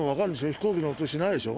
飛行機の音しないでしょ？